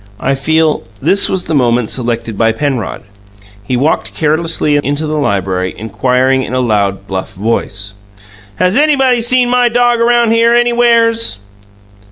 I feel " This was the moment selected by Penrod. He walked carelessly into the library, inquiring in a loud, bluff voice: "Has anybody seen my dog around here anywheres?"